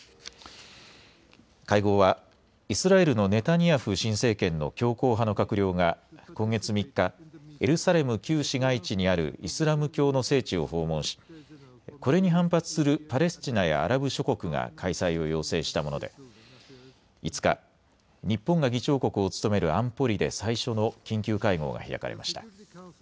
会合はイスラエルのネタニヤフ新政権の強硬派の閣僚が今月３日エルサレム旧市街地にあるイスラム教の聖地を訪問しこれに反発するパレスチナやアラブ諸国が開催を要請したもので５日、日本が議長国を務める安保理で最初の緊急会合が開かれました。